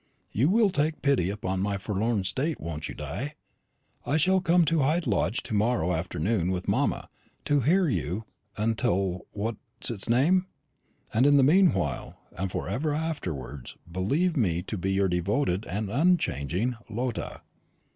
You will take pity upon my forlorn state, won't you, Di? I shall come to Hyde Lodge to morrow afternoon with mamma, to hear your ulti what's its name? and in the meanwhile, and for ever afterwards, believe me to be your devoted and unchanging LOTTA."